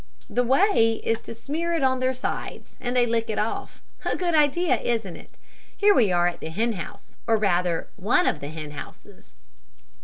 The way is, to smear it on their sides, and they lick it off. A good idea, isn't it? Here we are at the hen house, or rather one of the hen houses."